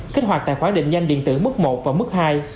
kích hoạt tài khoản định danh điện tử mức một và mức hai